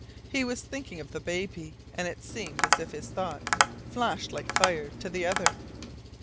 He was thinking of the baby, and it seemed as if his thoughts flashed like fire to the other.